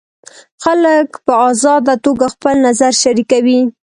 خلک په ازاده توګه خپل نظر شریکوي.